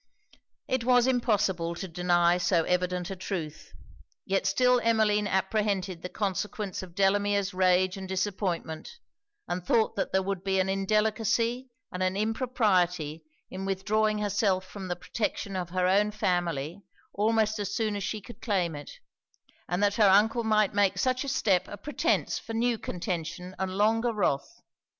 It was impossible to deny so evident a truth. Yet still Emmeline apprehended the consequence of Delamere's rage and disappointment; and thought that there would be an indelicacy and an impropriety in withdrawing herself from the protection of her own family almost as soon as she could claim it, and that her uncle might make such a step a pretence for new contention and longer wrath.